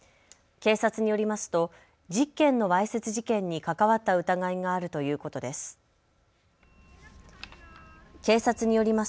警察によりますと１０件のわいせつ事件に関わった疑いがあるということです。